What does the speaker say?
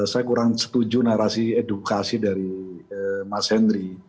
saya kurang setuju narasi edukasi dari mas henry